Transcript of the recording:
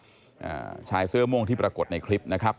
อ่าชายเสื้อม่วงที่ปรากฏในคลิปนะครับ